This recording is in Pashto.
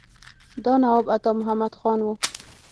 دا نواب عطا محمد خان وو.